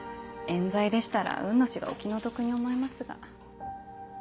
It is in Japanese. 冤罪でしたら雲野がお気の毒に思えますが。